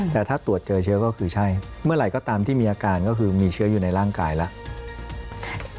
แต่ถ้าตรวจเจอเชื้อก็คือใช่เมื่อไหร่ก็ตามที่มีอาการก็คือมีเชื้ออยู่ในร่างกายแล้ว